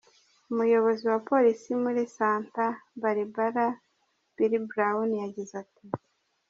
"Umuyobozi wa polisi muri Santa Barbara, Bill Brown, yagize ati:.